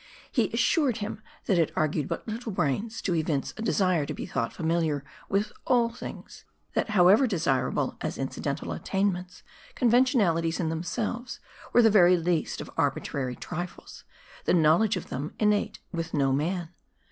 He assured him, that it argued but little brains to evince a desire to be thought familiar with all things ; that however desirable as incidental attainments, conventionali ties, in themselves, were the very least of arbitrary trifles ; the knowledge of them, innate with no man.